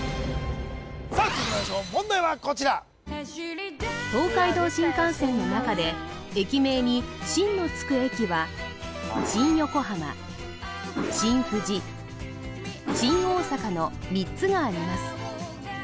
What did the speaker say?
さあ続いてまいりましょう問題はこちら東海道新幹線の中で駅名に「新」のつく駅はの３つがあります